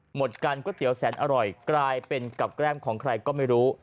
หมดกันก๋วยเตี๋ยวแสนอร่อยกลายเป็นกับแก้มของใครก็ไม่รู้